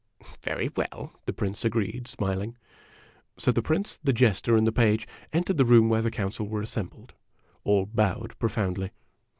" Very well," the Prince agreed, smiling. So the Prince, the Jester, and the Page entered the room where the Council were assembled. All bowed profoundly.